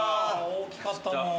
大きかったもん。